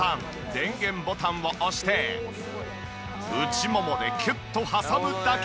電源ボタンを押して内ももでキュッと挟むだけ。